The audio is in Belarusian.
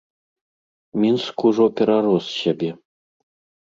Мінск ужо перарос сябе.